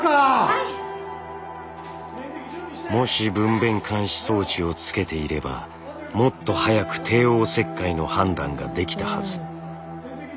もし分娩監視装置をつけていればもっと早く帝王切開の判断ができたはず。